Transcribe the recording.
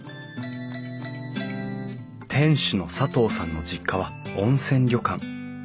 店主の佐藤さんの実家は温泉旅館。